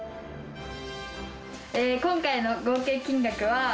今回の合計金額は。